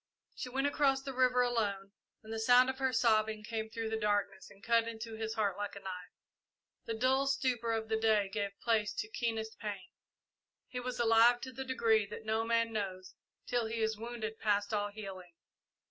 She went across the river alone, and the sound of her sobbing came through the darkness and cut into his heart like a knife. The dull stupor of the day gave place to keenest pain. He was alive to the degree that no man knows till he is wounded past all healing.